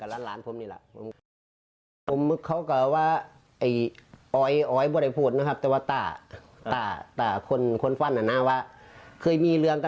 ค่ะคือบางท่วงค้ำกันกับล้านผมนี่ล่ะ